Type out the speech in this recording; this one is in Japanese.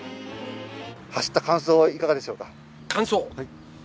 走った感想はいかがでしょう感想。